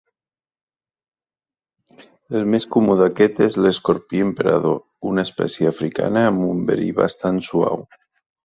El més comú d'aquests és l'escorpí emperador, una espècie africana amb un verí bastant suau.